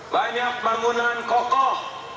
banyak bangunan kokoh